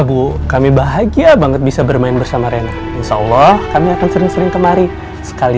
baik pak ibu semoga semua dilancarkan